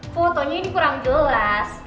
fotonya ini kurang jelas